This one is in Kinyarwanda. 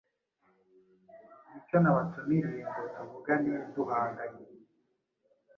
Ni cyo nabatumiriye ngo tuvugane duhanganye: